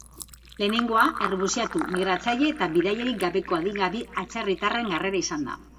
Lehenengoa, errefuxiatu, migratzaile eta bidaiderik gabeko adingabe atzerritarren harrera izan da.